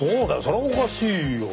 それはおかしいよ。